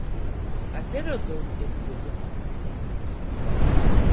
Atero dhok e puodho